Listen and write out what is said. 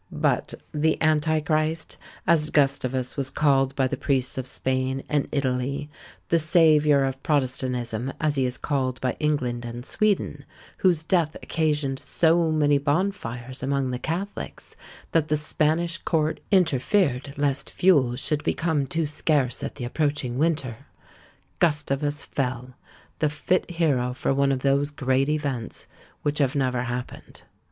But "the Antichrist," as Gustavus was called by the priests of Spain and Italy, the saviour of protestantism, as he is called by England and Sweden, whose death occasioned so many bonfires among the catholics, that the Spanish court interfered lest fuel should become too scarce at the approaching winter Gustavus fell the fit hero for one of those great events which have never happened!